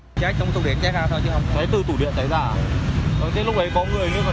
nó chạy ra lúc đấy có người nó chạy